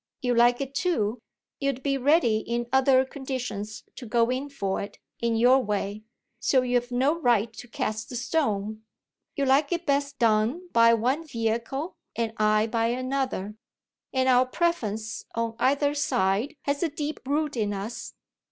You like it too, you'd be ready in other conditions to go in for it, in your way so you've no right to cast the stone. You like it best done by one vehicle and I by another; and our preference on either side has a deep root in us.